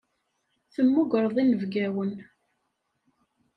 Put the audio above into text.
Temmugreḍ inebgawen.